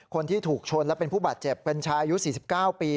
คนที่ถูกชนและเป็นผู้บาดเจ็บเป็นชายอายุ๔๙ปี